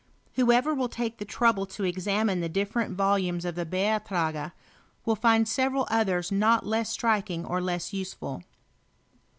Who ever will take the trouble to examine the different volumes of the Beitrage, will find several others not less striking or less useful.